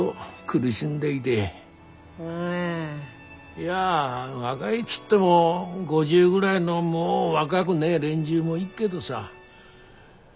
いや若いっつっても５０ぐらいのもう若ぐねえ連中もいっけどさ。